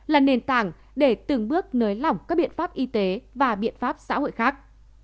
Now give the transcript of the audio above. là nền tảng để từng bước nới lỏng các biện pháp y tế và biện pháp xã hội khác